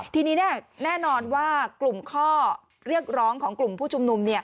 ทีนี้แน่นอนว่ากลุ่มข้อเรียกร้องของกลุ่มผู้ชุมนุม